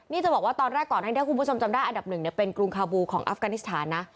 นี่จะบอกว่าตอนแรกก่อนถ้าคุณผู้ชมจำได้อันดับหนึ่งเป็นกรุงคาบูของอัฟกานิสถานนะ